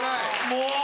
もう！